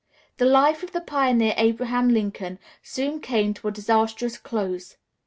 ] The life of the pioneer Abraham Lincoln soon came to a disastrous close.